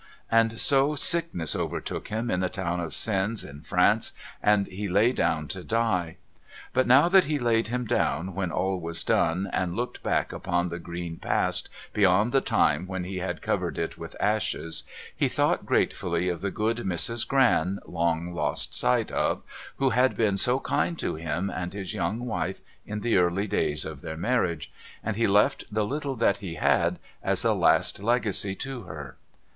And so sickness overtook him in the town of Sens in France, and he lay down to die. But now that he laid him down when all was done, and looked back upon the green Past beyond the time when he had covered it with ashes, he thought gratefully of the good Mrs. Gran long lost sight of, who had been so kind to him and his young wife in the early days of their marriage, and he left the little that he had as a last Legacy to her.